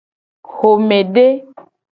Xomede.